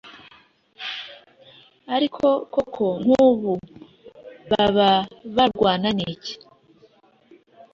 Ariko koko nk ’ubu baba barwana n’iki